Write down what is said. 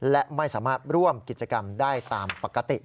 และไม่สามารถร่วมกิจกรรมได้ตามปกติ